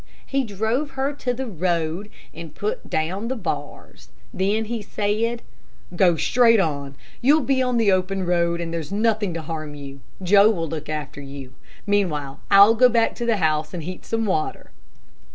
He drove her to the road and put down the bars; then he said: "Go straight on. You'll soon be on the open road, and there's nothing to harm you. Joe will look after you. Meanwhile I'll go back to the house and heat some water."